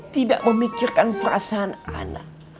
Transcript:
tidak memikirkan perasaan ana